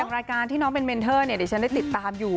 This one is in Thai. รายการที่น้องเป็นเมนเทอร์เนี่ยเดี๋ยวฉันได้ติดตามอยู่